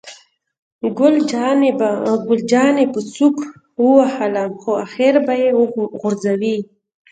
ګل جانې په سوک ووهلم، خو آخر به یې غورځوي.